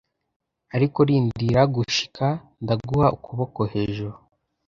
Ariko rindira gushika ndaguha ukuboko hejuru.